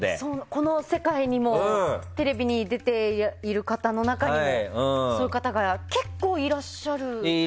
この世界にもテレビに出ている方の中にもそういう方が結構いらっしゃるんですかね。